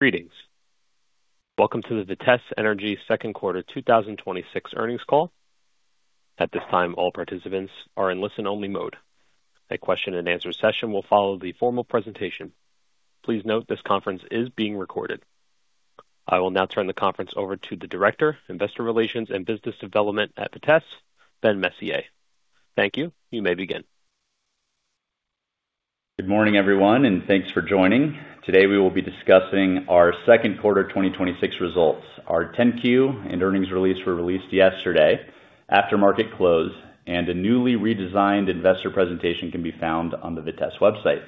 Greetings. Welcome to the Vitesse Energy second quarter 2026 earnings call. At this time, all participants are in listen-only mode. A question and answer session will follow the formal presentation. Please note this conference is being recorded. I will now turn the conference over to the Director, Investor Relations and Business Development at Vitesse, Ben Messier. Thank you. You may begin. Good morning, everyone. Thanks for joining. Today, we will be discussing our second quarter 2026 results. Our 10-Q and earnings release were released yesterday after market close, and a newly redesigned investor presentation can be found on the vitesse.com website.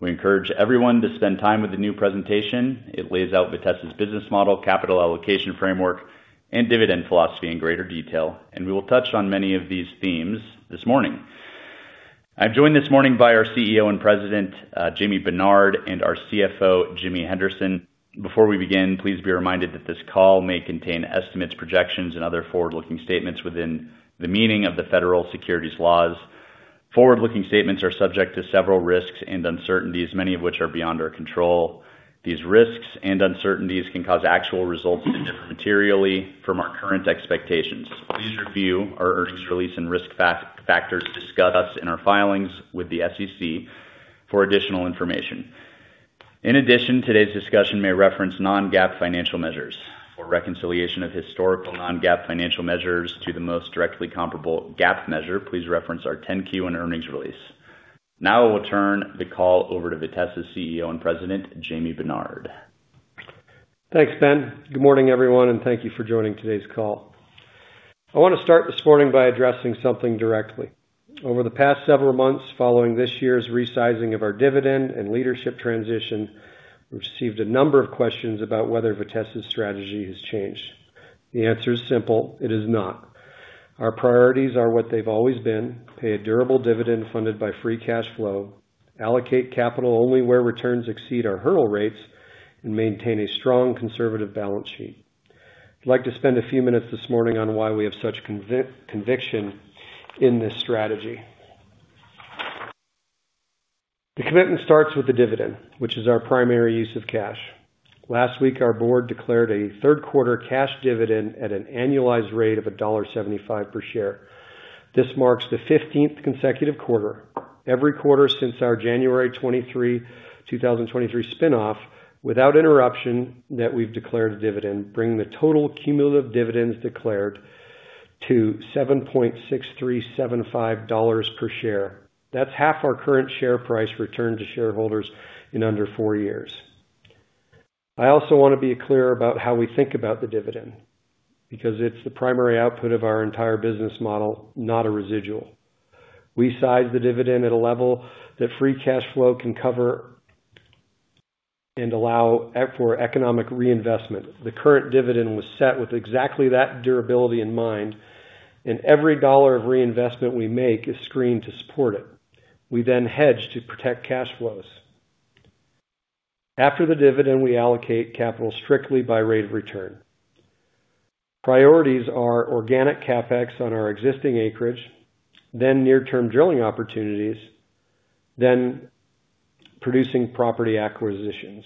We encourage everyone to spend time with the new presentation. It lays out Vitesse's business model, capital allocation framework, and dividend philosophy in greater detail, and we will touch on many of these themes this morning. I'm joined this morning by our CEO and President, Jamie Benard, and our CFO, Jimmy Henderson. Before we begin, please be reminded that this call may contain estimates, projections, and other forward-looking statements within the meaning of the federal securities laws. Forward-looking statements are subject to several risks and uncertainties, many of which are beyond our control. These risks and uncertainties can cause actual results to differ materially from our current expectations. Please review our earnings release and risk factors discussed in our filings with the SEC for additional information. In addition, today's discussion may reference non-GAAP financial measures. For reconciliation of historical non-GAAP financial measures to the most directly comparable GAAP measure, please reference our 10-Q and earnings release. I will turn the call over to Vitesse's CEO and President, Jamie Benard. Thanks, Ben. Good morning, everyone. Thank you for joining today's call. I want to start this morning by addressing something directly. Over the past several months, following this year's resizing of our dividend and leadership transition, we've received a number of questions about whether Vitesse's strategy has changed. The answer is simple: It is not. Our priorities are what they've always been, pay a durable dividend funded by free cash flow, allocate capital only where returns exceed our hurdle rates, and maintain a strong conservative balance sheet. I'd like to spend a few minutes this morning on why we have such conviction in this strategy. The commitment starts with the dividend, which is our primary use of cash. Last week, our board declared a third quarter cash dividend at an annualized rate of $1.75 per share. This marks the 15th consecutive quarter, every quarter since our January 23, 2023 spin-off, without interruption, that we've declared a dividend, bringing the total cumulative dividends declared to $7.6375 per share. That's half our current share price returned to shareholders in under four years. I also want to be clear about how we think about the dividend, because it's the primary output of our entire business model, not a residual. We size the dividend at a level that free cash flow can cover and allow for economic reinvestment. The current dividend was set with exactly that durability in mind, and every dollar of reinvestment we make is screened to support it. We then hedge to protect cash flows. After the dividend, we allocate capital strictly by rate of return. Priorities are organic CapEx on our existing acreage, then near-term drilling opportunities, then producing property acquisitions.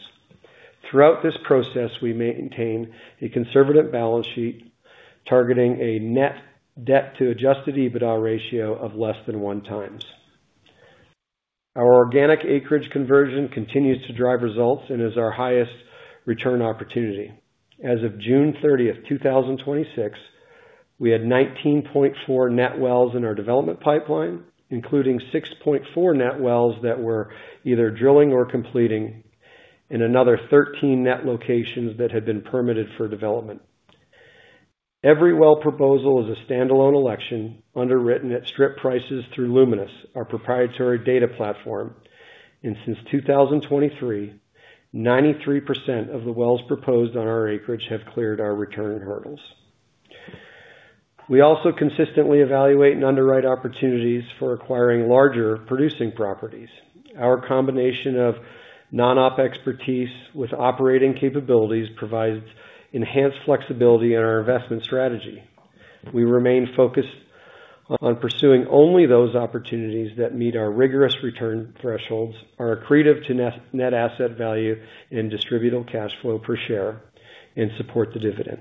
Throughout this process, we maintain a conservative balance sheet targeting a net debt to adjusted EBITDA ratio of less than one times. Our organic acreage conversion continues to drive results and is our highest return opportunity. As of June 30, 2026, we had 19.4 net wells in our development pipeline, including 6.4 net wells that we're either drilling or completing, and another 13 net locations that had been permitted for development. Every well proposal is a standalone election underwritten at strip prices through Luminis, our proprietary data platform. Since 2023, 93% of the wells proposed on our acreage have cleared our return hurdles. We also consistently evaluate and underwrite opportunities for acquiring larger producing properties. Our combination of non-op expertise with operating capabilities provides enhanced flexibility in our investment strategy. We remain focused on pursuing only those opportunities that meet our rigorous return thresholds, are accretive to net asset value and distributable cash flow per share, and support the dividend.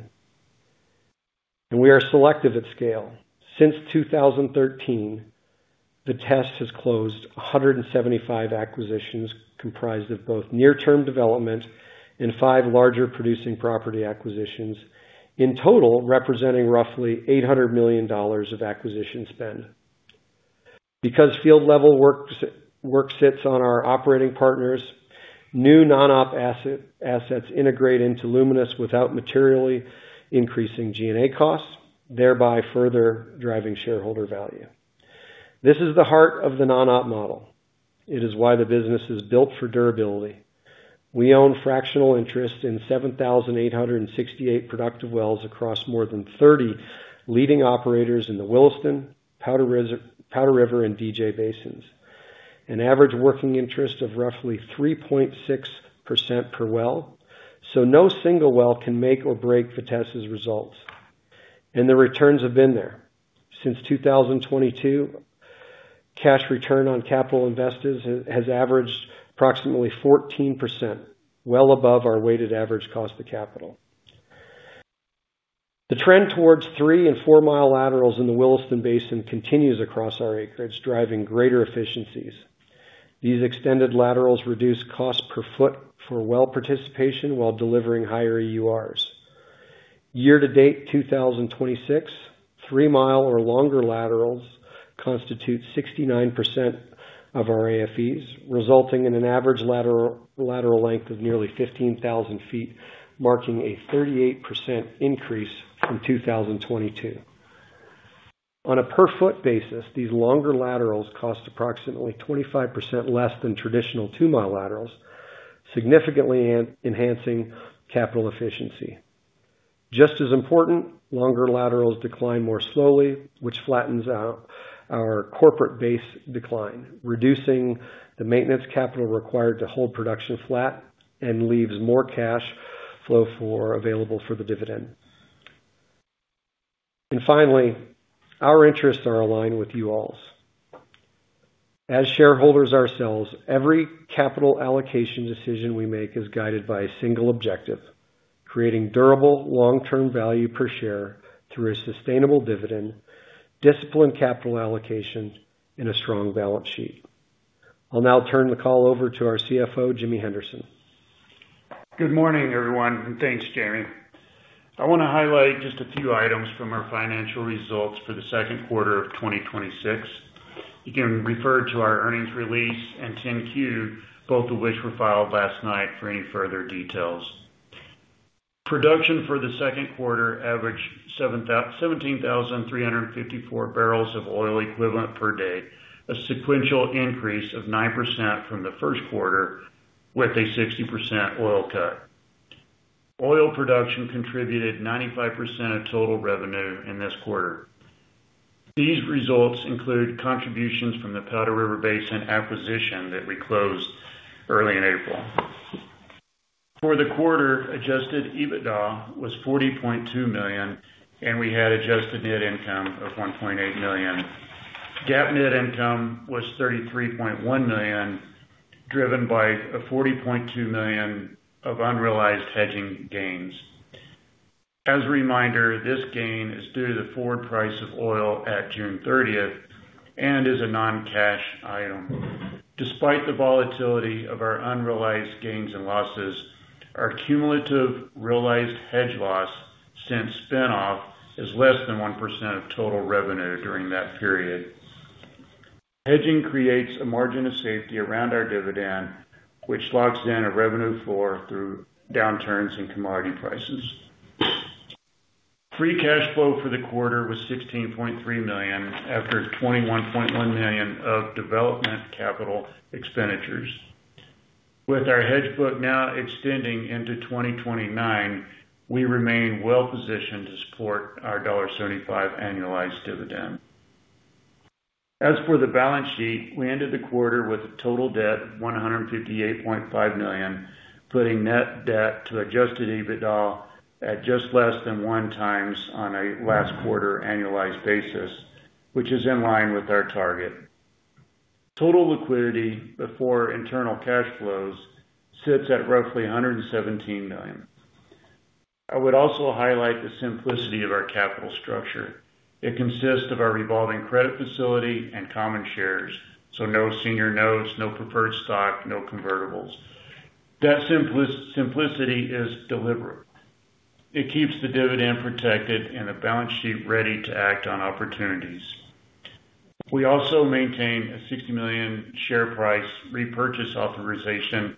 We are selective at scale. Since 2013, Vitesse has closed 175 acquisitions comprised of both near-term development and five larger producing property acquisitions, in total representing roughly $800 million of acquisition spend. Because field-level work sits on our operating partners, new non-op assets integrate into Luminis without materially increasing G&A costs, thereby further driving shareholder value. This is the heart of the non-op model. It is why the business is built for durability. We own fractional interests in 7,868 productive wells across more than 30 leading operators in the Williston, Powder River, and DJ Basins, an average working interest of roughly 3.6% per well, so no single well can make or break Vitesse's results. The returns have been there. Since 2022, cash return on capital invested has averaged approximately 14%, well above our weighted average cost of capital. The trend towards three and four-mile laterals in the Williston Basin continues across our acreage, driving greater efficiencies. These extended laterals reduce cost per foot for well participation while delivering higher EURs. Year to date 2026, three mile or longer laterals constitute 69% of our AFEs, resulting in an average lateral length of nearly 15,000 ft, marking a 38% increase from 2022. On a per foot basis, these longer laterals cost approximately 25% less than traditional two-mile laterals, significantly enhancing capital efficiency. Just as important, longer laterals decline more slowly, which flattens out our corporate base decline, reducing the maintenance capital required to hold production flat and leaves more cash flow available for the dividend. Finally, our interests are aligned with you all's. As shareholders ourselves, every capital allocation decision we make is guided by a single objective, creating durable long-term value per share through a sustainable dividend, disciplined capital allocation, and a strong balance sheet. I'll now turn the call over to our CFO, Jimmy Henderson. Good morning, everyone, and thanks, Jamie. I want to highlight just a few items from our financial results for the second quarter of 2026. You can refer to our earnings release and 10-Q, both of which were filed last night for any further details. Production for the second quarter averaged 17,354 bbl of oil equivalent per day, a sequential increase of 9% from the first quarter with a 60% oil cut. Oil production contributed 95% of total revenue in this quarter. These results include contributions from the Powder River Basin acquisition that we closed early in April. For the quarter, adjusted EBITDA was $40.2 million, we had adjusted net income of $1.8 million. GAAP net income was $33.1 million, driven by a $40.2 million of unrealized hedging gains. As a reminder, this gain is due to the forward price of oil at June 30th and is a non-cash item. Despite the volatility of our unrealized gains and losses, our cumulative realized hedge loss since spin-off is less than 1% of total revenue during that period. Hedging creates a margin of safety around our dividend, which locks in a revenue floor through downturns in commodity prices. Free cash flow for the quarter was $16.3 million, after $21.1 million of development capital expenditures. With our hedge book now extending into 2029, we remain well positioned to support our $1.75 annualized dividend. As for the balance sheet, we ended the quarter with a total debt of $158.5 million, putting net debt to adjusted EBITDA at just less than one times on a last quarter annualized basis, which is in line with our target. Total liquidity before internal cash flows sits at roughly $117 million. I would also highlight the simplicity of our capital structure. It consists of our revolving credit facility and common shares, no senior notes, no preferred stock, no convertibles. That simplicity is deliberate. It keeps the dividend protected and the balance sheet ready to act on opportunities. We also maintain a 60 million share price repurchase authorization,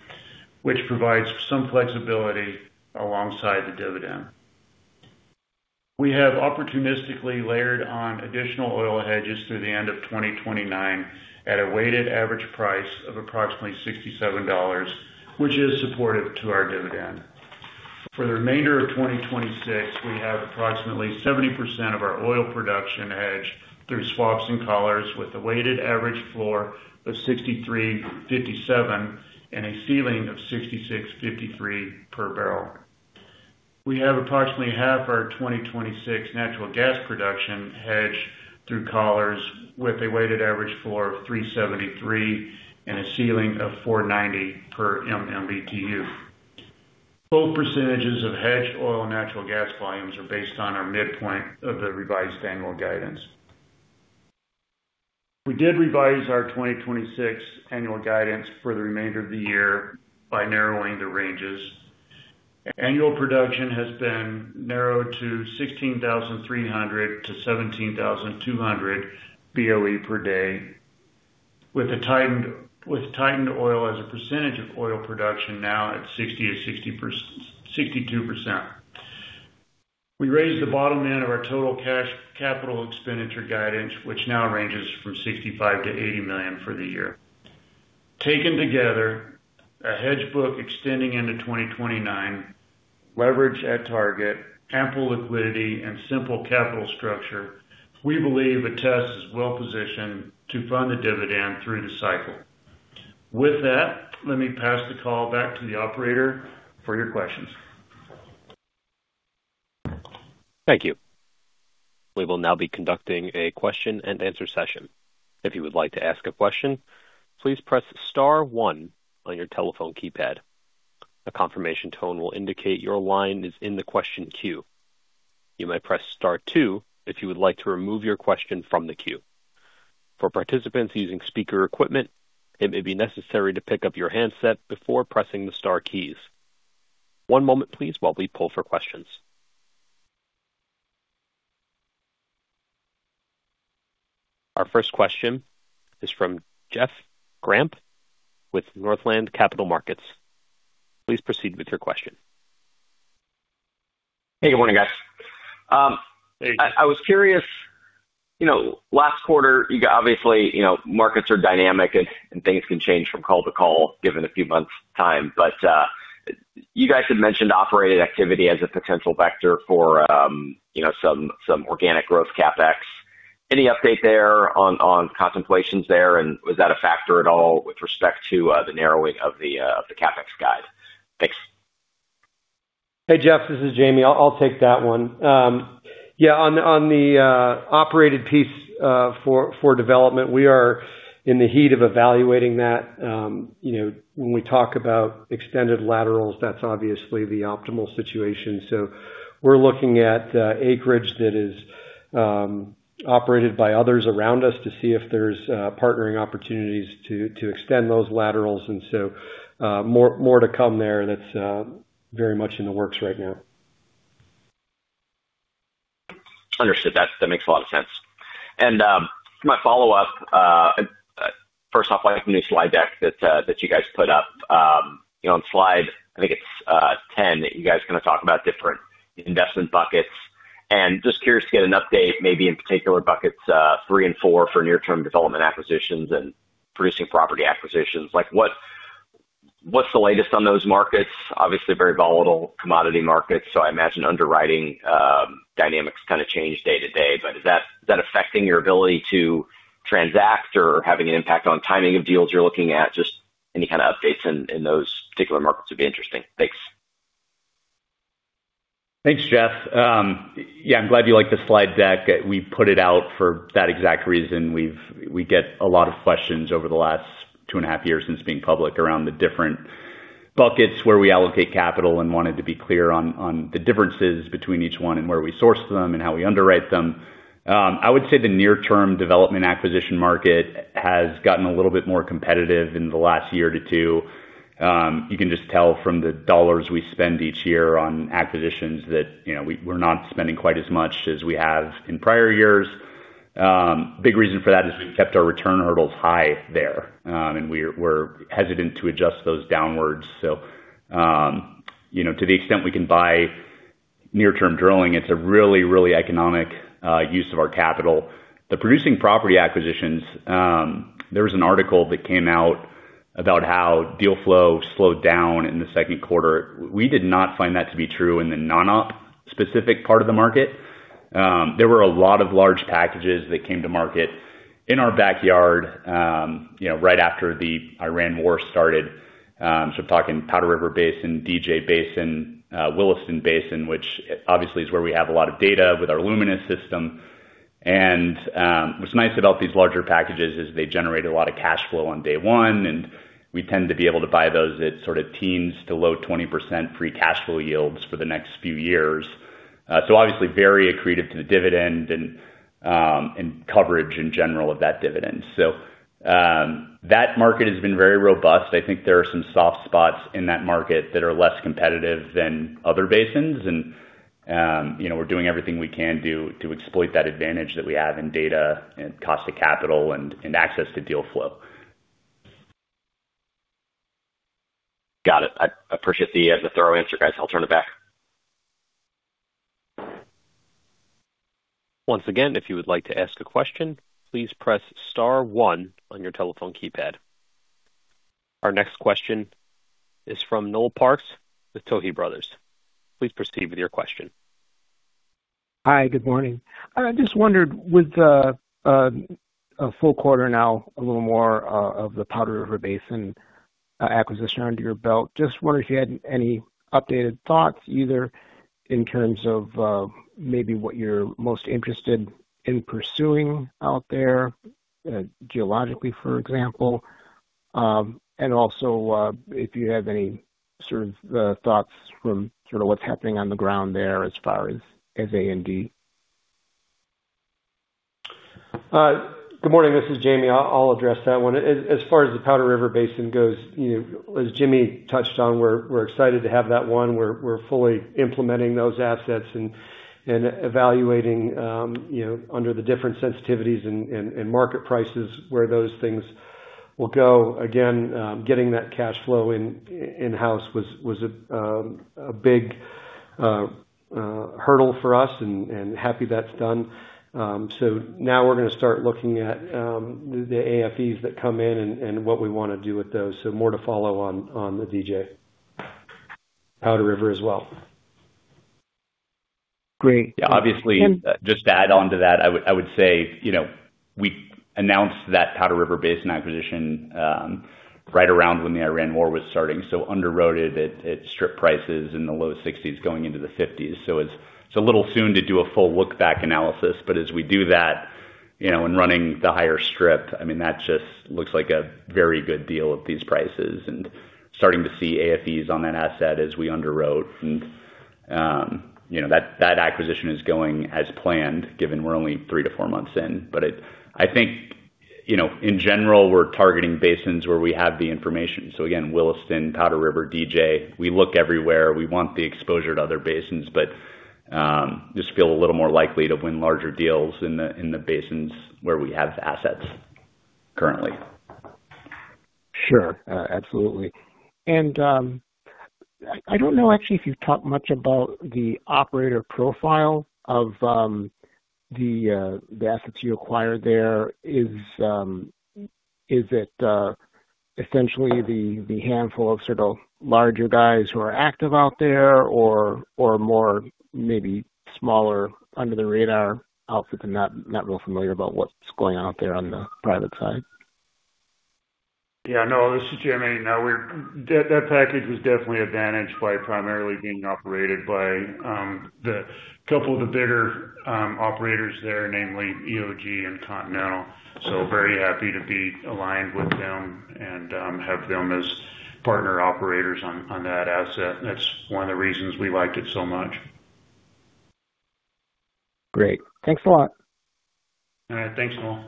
which provides some flexibility alongside the dividend. We have opportunistically layered on additional oil hedges through the end of 2029 at a weighted average price of approximately $67, which is supportive to our dividend. For the remainder of 2026, we have approximately 70% of our oil production hedged through swaps and collars with a weighted average floor of $63.57 and a ceiling of $66.53 per barrel. We have approximately half our 2026 natural gas production hedged through collars with a weighted average floor of $3.73 and a ceiling of $4.90 per MMBtu. Both percentages of hedged oil and natural gas volumes are based on our midpoint of the revised annual guidance. We did revise our 2026 annual guidance for the remainder of the year by narrowing the ranges. Annual production has been narrowed to 16,300 to 17,200 BOE per day, with tightened oil as a percentage of oil production now at 60%-62%. We raised the bottom end of our total cash capital expenditure guidance, which now ranges from $65 million to $80 million for the year. Taken together, a hedge book extending into 2029, leverage at target, ample liquidity, and simple capital structure, we believe Vitesse is well positioned to fund the dividend through the cycle. With that, let me pass the call back to the operator for your questions. Thank you. We will now be conducting a question and answer session. If you would like to ask a question, please press star one on your telephone keypad. A confirmation tone will indicate your line is in the question queue. You may press star two if you would like to remove your question from the queue. For participants using speaker equipment, it may be necessary to pick up your handset before pressing the star keys. One moment please while we pull for questions. Our first question is from Jeff Grampp with Northland Capital Markets. Please proceed with your question. Hey, good morning, guys. Hey. I was curious, last quarter, obviously, markets are dynamic and things can change from call to call given a few months time, but you guys had mentioned operating activity as a potential vector for some organic growth CapEx. Any update there on contemplations there, and was that a factor at all with respect to the narrowing of the CapEx guide? Thanks. Hey, Jeff, this is Jamie. I'll take that one. Yeah, on the operated piece for development, we are in the heat of evaluating that. When we talk about extended laterals, that's obviously the optimal situation. We're looking at acreage that is operated by others around us to see if there's partnering opportunities to extend those laterals, more to come there. That's very much in the works right now. Understood. That makes a lot of sense. My follow-up, first off, I like the new slide deck that you guys put up. On slide, I think it's 10, that you guys kind of talk about different investment buckets, just curious to get an update, maybe in particular buckets three and four for near-term development acquisitions and producing property acquisitions. What's the latest on those markets? Obviously very volatile commodity markets, I imagine underwriting dynamics kind of change day to day. Is that affecting your ability to transact or having an impact on timing of deals you're looking at? Just any kind of updates in those particular markets would be interesting. Thanks. Thanks, Jeff. Yeah, I'm glad you like the slide deck. We put it out for that exact reason. We get a lot of questions over the last 2.5 years since being public around the different buckets where we allocate capital and wanted to be clear on the differences between each one and where we source them and how we underwrite them. I would say the near-term development acquisition market has gotten a little bit more competitive in the last year to two. You can just tell from the dollars we spend each year on acquisitions that we're not spending quite as much as we have in prior years. Big reason for that is we've kept our return hurdles high there, and we're hesitant to adjust those downwards. To the extent we can buy near-term drilling, it's a really economic use of our capital. The producing property acquisitions, there was an article that came out about how deal flow slowed down in the second quarter. We did not find that to be true in the non-op specific part of the market. There were a lot of large packages that came to market in our backyard right after the Ukraine war started, talking Powder River Basin, DJ Basin, Williston Basin, which obviously is where we have a lot of data with our Luminis system. What's nice about these larger packages is they generate a lot of cash flow on day one, and we tend to be able to buy those at sort of teens to low 20% free cash flow yields for the next few years. Obviously very accretive to the dividend and coverage in general of that dividend. That market has been very robust. I think there are some soft spots in that market that are less competitive than other basins, we're doing everything we can do to exploit that advantage that we have in data and cost of capital and access to deal flow. Got it. I appreciate the thorough answer, guys. I'll turn it back. Once again, if you would like to ask a question, please press star one on your telephone keypad. Our next question is from Noel Parks with Tuohy Brothers. Please proceed with your question. Hi. Good morning. I just wondered, with a full quarter now, a little more of the Powder River Basin acquisition under your belt, just wonder if you had any updated thoughts, either in terms of maybe what you're most interested in pursuing out there geologically, for example, and also, if you have any sort of thoughts from sort of what's happening on the ground there as far as A&D. Good morning. This is Jamie. I'll address that one. As far as the Powder River Basin goes, as Jimmy touched on, we're excited to have that one. We're fully implementing those assets and evaluating under the different sensitivities and market prices where those things will go. Again, getting that cash flow in-house was a big hurdle for us and happy that's done. Now we're going to start looking at the AFEs that come in and what we want to do with those. More to follow on the DJ Powder River as well. Great. Yeah, obviously, just to add on to that, I would say, we announced that Powder River Basin acquisition right around when the Ukraine war was starting, underwrote it at strip prices in the low $60s going into the $50s. It's a little soon to do a full look-back analysis, but as we do that and running the higher strip, that just looks like a very good deal at these prices, and starting to see AFEs on that asset as we underwrote. That acquisition is going as planned, given we're only three to four months in. I think, in general, we're targeting basins where we have the information. Again, Williston, Powder River, DJ. We look everywhere. We want the exposure to other basins, but just feel a little more likely to win larger deals in the basins where we have assets currently. Sure. Absolutely. I don't know actually if you've talked much about the operator profile of the assets you acquired there. Is it essentially the handful of sort of larger guys who are active out there or more maybe smaller under the radar outfits? I'm not real familiar about what's going on out there on the private side. Yeah. No, this is Jimmy, Noel. No, that package was definitely advantaged by primarily being operated by the couple of the bigger operators there, namely EOG and Continental. Very happy to be aligned with them and have them as partner operators on that asset, and that's one of the reasons we liked it so much. Great. Thanks a lot. All right. Thanks, Noel.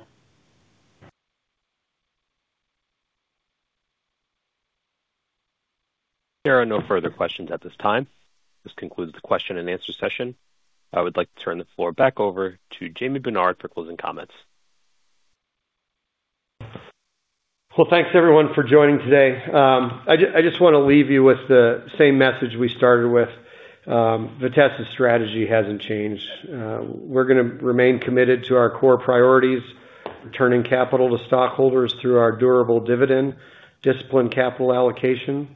There are no further questions at this time. This concludes the question and answer session. I would like to turn the floor back over to Jamie Benard for closing comments. Well, thanks everyone for joining today. I just want to leave you with the same message we started with. Vitesse's strategy hasn't changed. We're going to remain committed to our core priorities, returning capital to stockholders through our durable dividend, disciplined capital allocation,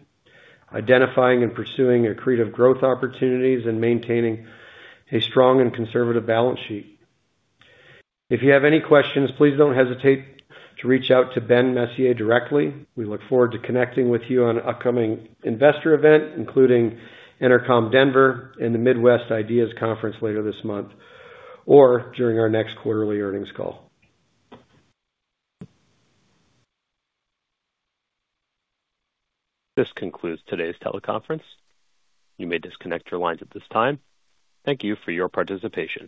identifying and pursuing accretive growth opportunities, and maintaining a strong and conservative balance sheet. If you have any questions, please don't hesitate to reach out to Ben Messier directly. We look forward to connecting with you on an upcoming investor event, including EnerCom Denver and the Midwest IDEAS Conference later this month or during our next quarterly earnings call. This concludes today's teleconference. You may disconnect your lines at this time. Thank you for your participation.